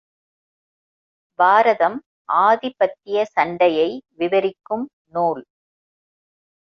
பாரதம் ஆதிபத்திய சண்டையை விவரிக்கும் நூல்.